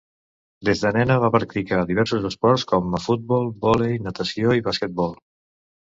Des de nena va practicar diversos esports com a futbol, volei, natació i basquetbol.